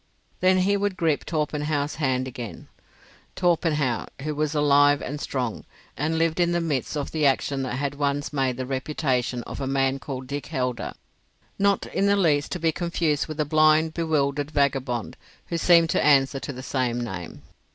Then he would grip Torpenhow's hand again—Torpenhow, who was alive and strong, and lived in the midst of the action that had once made the reputation of a man called Dick Heldar: not in the least to be confused with the blind, bewildered vagabond who seemed to answer to the same name.